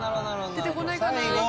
出て来ないかな？